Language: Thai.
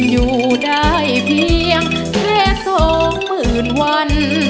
อยู่ได้เพียงแค่๒หมื่นวัน